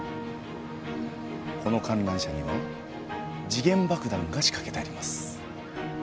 この観覧車には時限爆弾が仕掛けてあります。